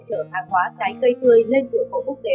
chở hàng hóa trái cây tươi lên cửa khẩu quốc tế